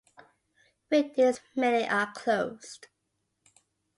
Weekdays many are closed.